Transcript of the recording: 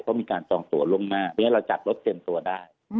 เพราะมีการตรงตัวลงมากดังนั้นเราจัดรถเต็มตัวได้